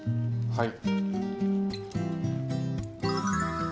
はい。